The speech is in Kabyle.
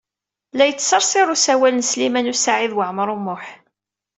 La yettsersir usawal n Sliman U Saɛid Waɛmaṛ U Muḥ.